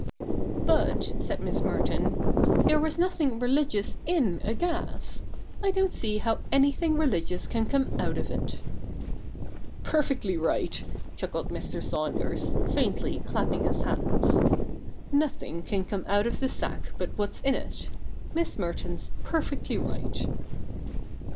' But,' said Miss Merton, ' there is nothing religious in a gas. I don't see how anything religious can come out of it.' ' Perfectly right I ' chuckled ^Ir. Saunders, faintly clapping his hands. ' Nothing can come out of the sack but what's in it. Miss Merton's perfectly right.'